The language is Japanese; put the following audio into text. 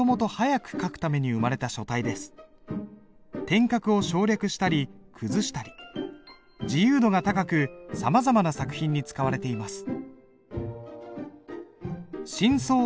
点画を省略したり崩したり自由度が高くさまざまな作品に使われています。